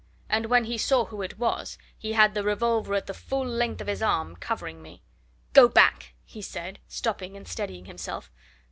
And when he saw who it was, he had the revolver at the full length of his arm, covering me. "Go back!" he said, stopping and steadying himself.